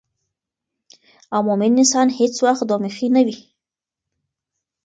او مومن انسان هیڅ وخت دوه مخې نه وي